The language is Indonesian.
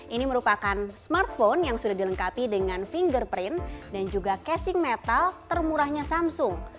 ini merupakan smartphone yang sudah dilengkapi dengan fingerprint dan juga casing metal termurahnya samsung